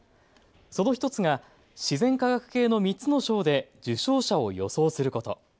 その１つが自然科学系の３つの賞で受賞者を予想すること。